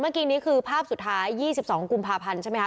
เมื่อกี้นี้คือภาพสุดท้าย๒๒กุมภาพันธ์ใช่ไหมค